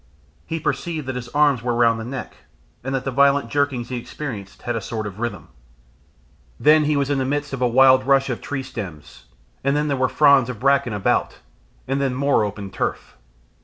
He perceived that his arms were round the neck, and that the violent jerkings he experienced had a sort of rhythm. Then he was in the midst of a wild rush of tree stems, and then there were fronds of bracken about, and then more open turf.